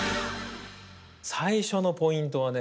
最初のポイントはね